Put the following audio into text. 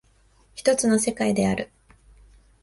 一つの世界である。